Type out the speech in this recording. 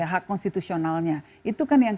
hak konstitusionalnya itu kan yang